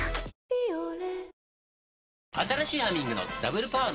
「ビオレ」